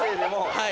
はい。